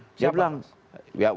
ya waktu itu saya bilang ya pak mas